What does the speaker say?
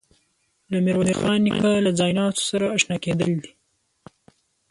له میرویس خان نیکه له ځایناستو سره آشنا کېدل دي.